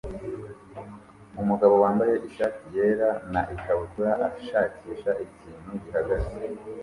Umugabo wambaye ishati yera na ikabutura ashakisha ikintu gihagaze